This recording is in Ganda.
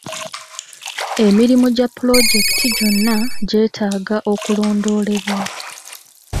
Emirimu gya pulojekiti gyonna gyeetaaga okulondoolebwa.